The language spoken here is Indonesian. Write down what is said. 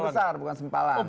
arus besar bukan sempalan